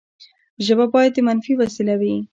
ژبه باید د ميني وسیله وي.